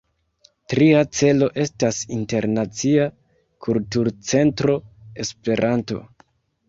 Tria celo estas Internacia Kulturcentro Esperanto.